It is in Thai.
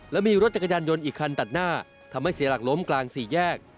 และมีรถจักรยานยนต์อีกคันตัดหน้าทำให้เสียหลักล้มกลางสี่แยก